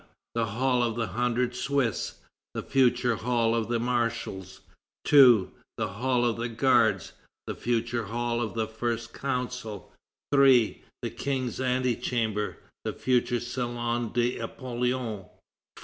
The Hall of the Hundred Swiss (the future Hall of the Marshals); 2. The Hall of the Guards (the future Hall of the First Consul); 3. The King's Antechamber (the future Salon d'Apollon); 4.